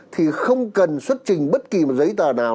thì không cần xuất trình bất kỳ một giấy tờ nào